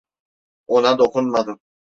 Ona dokunmadım.